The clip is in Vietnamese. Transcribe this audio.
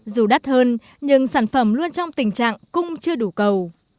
dù đắt hơn nhưng sản phẩm luôn trong tình trạng cung chưa đủ cầu